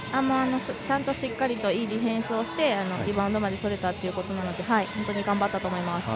ちゃんとしっかりいいディフェンスをしてリバウンドまでとれたということなので本当に頑張ったと思います。